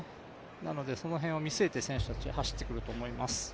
なのでその辺を見据えて選手たち、走ってくると思います。